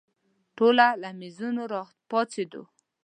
ټوله له مېزونو راپاڅېدو.